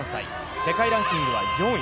世界ランキングは４位。